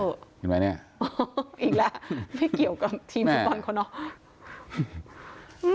เห็นไหมเนี่ยอีกแล้วไม่เกี่ยวกับทีมฟุตบอลเขาเนอะ